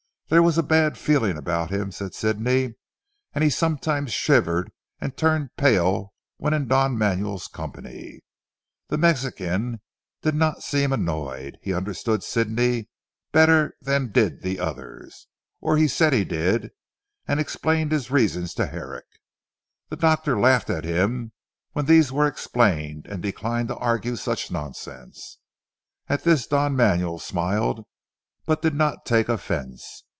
There was a bad feeling about him, said Sidney, and he sometimes shivered and turned pale when in Don Manuel's company. The Mexican did not seem annoyed. He understood Sidney better than did the others. Or he said he did and explained his reasons to Herrick. The doctor laughed at him when these were explained and declined to argue such nonsense. At this Don Manuel smiled but did not take offence.